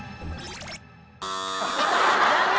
残念。